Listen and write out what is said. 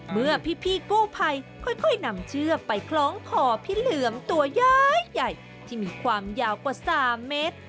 เมื่อพี่กู้ภัยค่อยนำเชือกไปคล้องคอพี่เหลือมตัวย้ายใหญ่ที่มีความยาวกว่า๓เมตร